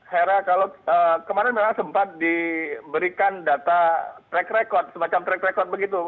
hera kalau kemarin memang sempat diberikan data track record semacam track record begitu